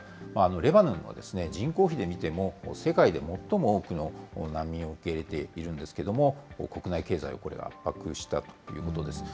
レバノンは人口比で見ても、世界で最も多くの難民を受け入れているんですけども、国内経済をこれが圧迫したということです。